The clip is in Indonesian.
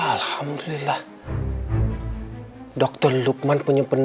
terus jawa sudah mendekati penggantian keinkf